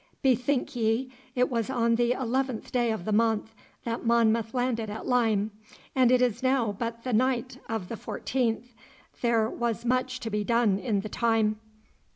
Bethink ye, it was on the eleventh day of the month that Monmouth landed at Lyme, and it is now but the night of the fourteenth. There was much to be done in the time.